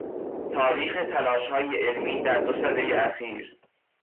تاریخ تلاش های علمی در دو سدهی اخیر